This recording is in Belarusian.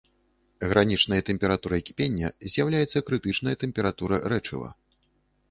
Гранічнай тэмпературай кіпення з'яўляецца крытычная тэмпература рэчыва.